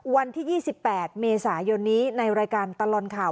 วันที่๒๘เมษายนนี้ในรายการตลอดข่าว